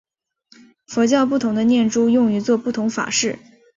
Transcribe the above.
佛教不同的念珠用于作不同法事。